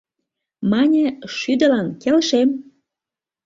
Мане: «Шӱдылан келшем».